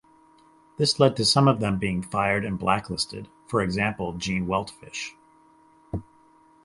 This led to some of them being fired and blacklisted, for example Gene Weltfish.